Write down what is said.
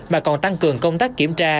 mà còn tăng cường công tác kiểm tra